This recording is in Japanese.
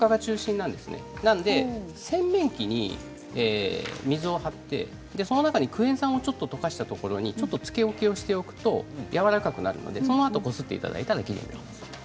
なので洗面器に水を張ってその中にクエン酸をちょっと溶かしたところにちょっとつけ置きをしておくとやわらかくなるのでその後こすっていただいてきれいになります。